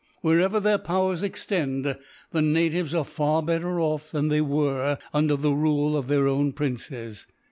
Wherever their powers extend, the natives are far better off than they were under the rule of their own princes.